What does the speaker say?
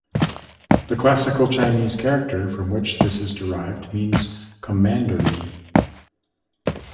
The Classical Chinese character from which this is derived means commandery.